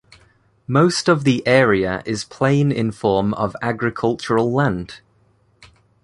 Most of the area is plain in form of agricultural land.